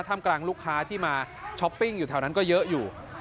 ทำกลางลูกค้าที่มาช้อปปิ้งอยู่แถวนั้นก็เยอะอยู่